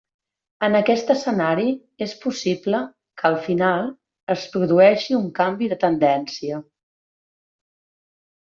En aquest escenari és possible que al final es produeixi un canvi de tendència.